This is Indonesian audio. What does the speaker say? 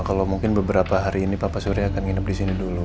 kalau mungkin beberapa hari ini papa surya akan nginep disini dulu